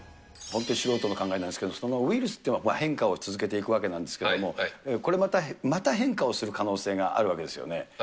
本当に素人の考えなんですけれども、そのウイルスっていうのは変化を続けていくわけなんですけれども、これまた、また変化をする可能性があるわけですよね。